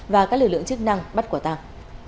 và các lực lượng chức năng bắt quả tàng